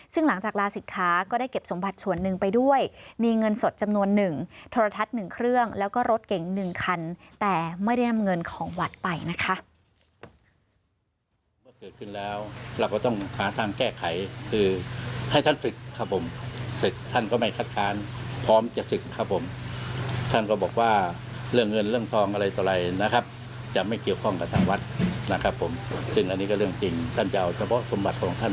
ซึ่งหลังจากลาศิกขาก็ได้เก็บสมบัติส่วนหนึ่งไปด้วยมีเงินสดจำนวนหนึ่งโทรทัศน์๑เครื่องแล้วก็รถเก่ง๑คันแต่ไม่ได้นำเงินของวัดไปนะคะ